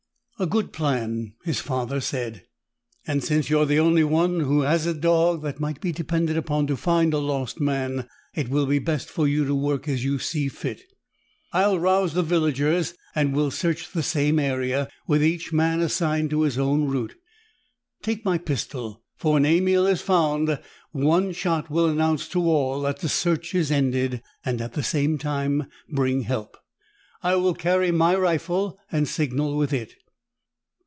"A good plan," his father said, "and, since you are the only one who has a dog that might be depended upon to find a lost man, it will be best for you to work as you see fit. I'll rouse the villagers and we'll search the same area, with each man assigned to his own route. Take my pistol, for when Emil is found, one shot will announce to all that the search is ended and at the same time bring help. I will carry my rifle and signal with it."